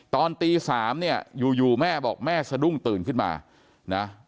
ตอนตี๓เนี่ยอยู่แม่บอกแม่สะดุ้งตื่นขึ้นมานะ